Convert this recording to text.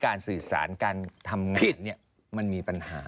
การสื่อสารการทำงานเนี่ยมันมีปัญหา